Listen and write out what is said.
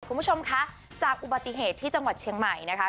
คุณผู้ชมคะจากอุบัติเหตุที่จังหวัดเชียงใหม่นะคะ